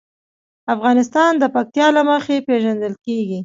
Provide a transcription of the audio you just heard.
افغانستان د پکتیا له مخې پېژندل کېږي.